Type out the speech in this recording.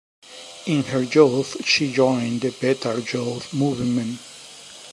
In her youth she joined the Betar youth movement.